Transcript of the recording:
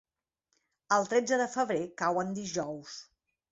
El tretze de febrer cau en dijous.